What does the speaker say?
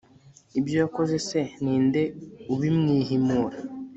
ibyo yakoze se, ni nde ubimwihimura